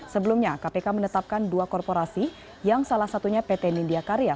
sebelumnya kpk menetapkan dua korporasi yang salah satunya pt nindya karya